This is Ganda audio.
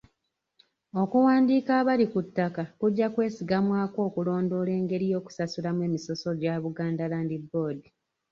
Okuwandiika abali ku ttaka kujja kwesigamwako okulondoola engeri y’okusasulamu emisoso gya Buganda Land Board.